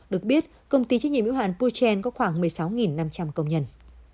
được biết công ty trách nhiệm hữu hạn pouchen có khoảng một mươi sáu năm trăm linh công nhân